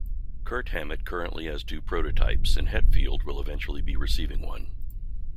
Kirk Hammett currently has two prototypes, and Hetfield will eventually be receiving one.